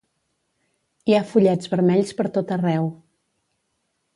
Hi ha follets vermells per tot arreu.